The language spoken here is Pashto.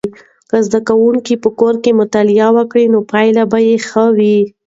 که زده کوونکي په کور کې مطالعه وکړي نو پایلې به یې ښې وي.